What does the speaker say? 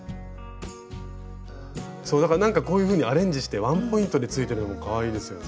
そうだからこういうふうにアレンジしてワンポイントについててもかわいいですよね。ですね。